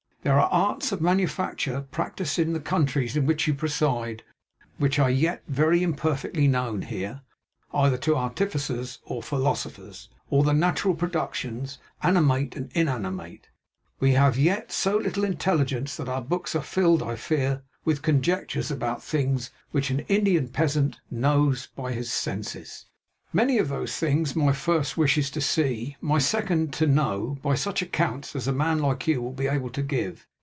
There are arts of manufacture practised in the countries in which you preside, which are yet very imperfectly known here, either to artificers or philosophers. Of the natural productions, animate and inanimate, we yet have so little intelligence, that our books are filled, I fear, with conjectures about things which an Indian peasant knows by his senses. Many of those things my first wish is to see; my second to know, by such accounts as a man like you will be able to give.